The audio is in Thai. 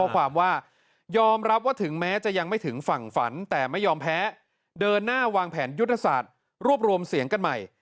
ความแพ้เดินหน้าวางแผนยุทธศาสตร์รวบรวมเสียงกันใหม่